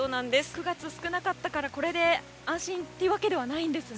９月少なかったからこれで安心というわけではないんですね。